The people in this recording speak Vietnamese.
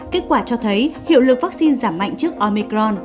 kết quả cho thấy hiệu lực vaccine giảm mạnh trước omicron